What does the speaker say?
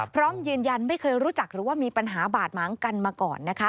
พร้อมยืนยันไม่เคยรู้จักหรือว่ามีปัญหาบาดหมางกันมาก่อนนะคะ